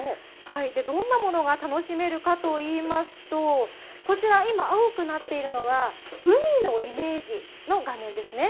どんなものが楽しめるかといいますと、こちら今、青くなっているのが、海のイメージの画面ですね。